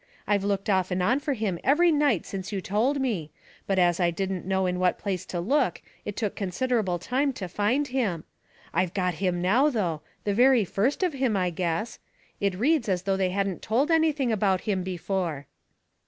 I've looked off and on for him every night since you told me ; but as I didn't know in what place to look, it took considerable time to find him. I've got him now, though — the very first of him I guess. It reads as though they hadn't told anything about him before."